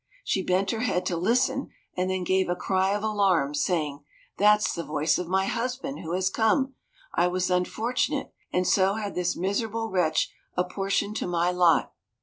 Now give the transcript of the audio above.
She bent her head to listen and then gave a cry of alarm, saying, "That's the voice of my husband, who has come. I was unfortunate, and so had this miserable wretch apportioned to my lot.